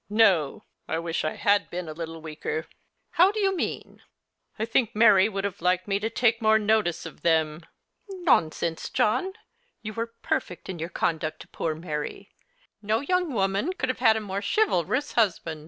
" No ; I wish I had been a little weaker." " How do you mean ?" "I think Mary would have liked me to take more notice of them." " Nonsense, John ; you were perfect in your conduct to poor 3Iary. No young woman could have had a more chivalrous husband.